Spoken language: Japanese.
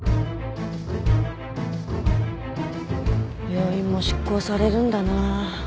病院も執行されるんだなあ。